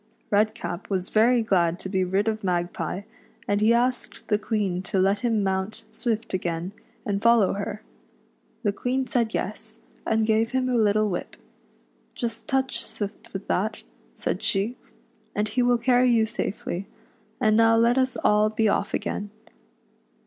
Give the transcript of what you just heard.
Redcap was very glad to be rid of Mag pie, and he asked the Queen to let him mount Swift again, and follow her. The Queen said yes, and gave him a little whip, " Just touch Swift with that," said she, " and he will carry you safely ; and now let us all be ofif again."